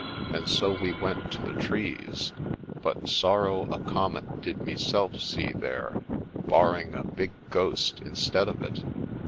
and so we went to the trees, but sorrow a comet did meself see there, barring a big ghost instead of it.'